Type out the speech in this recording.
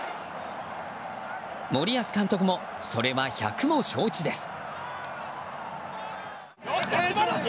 森保監督も、それは百も承知です。